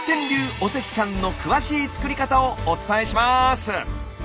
お赤飯の詳しい作り方をお伝えします！